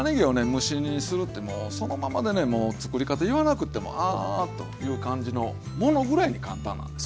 蒸し煮にするってもうそのままでねもうつくり方言わなくてもああという感じのものぐらいに簡単なんです。